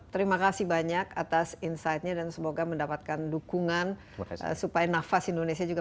terima kasih banyak atas insightnya dan semoga mendapatkan dukungan supaya nafas indonesia juga